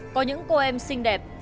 có những cô em xinh đẹp